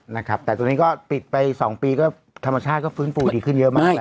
นะครับแต่ตอนนี้ปีกไปสองปีก็ธรรมชาติก็ฟื้นฟูอีดีขึ้นเยอะมาก